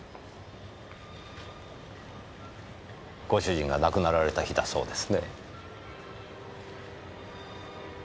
ご主人が亡くなられた日だそうですね。